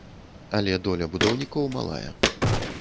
Але доля будаўнікоў малая.